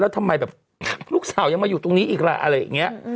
แล้วทำไมแบบลูกสาวยังมาอยู่ตรงนี้อีกล่ะอะไรอย่างนี้